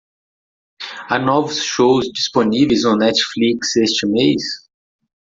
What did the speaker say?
Há novos shows disponíveis no Netflix este mês?